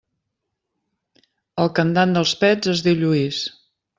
El cantant dels Pets es diu Lluís.